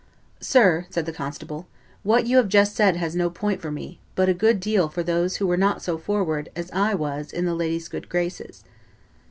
"Sir," said the constable, "what you have just said has no point for me, but a good deal for those who were not so forward as I was in the lady's good graces."